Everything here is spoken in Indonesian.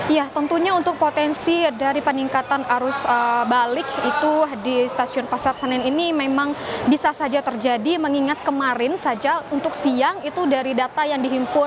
iya tentunya untuk potensi dari peningkatan arus balik itu di stasiun pasar senil ini memang bisa saja terjadi mengingat kemarin saja untuk siang